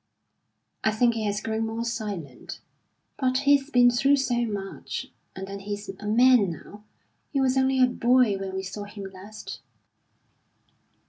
"I think he has grown more silent. But he's been through so much. And then he's a man now; he was only a boy when we saw him last."